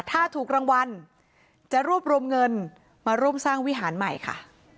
ถ้าถูกรางวัลจะรวบรวมเงินมาร่วมสร้างวิหารใหม่ค่ะ